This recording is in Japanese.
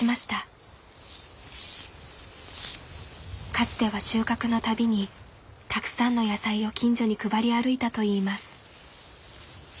かつては収穫の度にたくさんの野菜を近所に配り歩いたといいます。